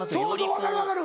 分かる分かる！